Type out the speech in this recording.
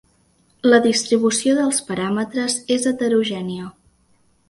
La distribució dels paràmetres és heterogènia.